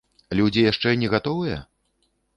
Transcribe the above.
Людзі яшчэ не гатовыя?